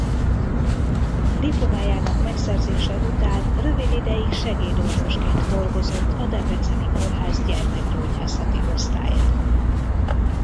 Diplomájának megszerzése után rövid ideig segédorvosként dolgozott a debreceni kórház gyermekgyógyászati osztályán.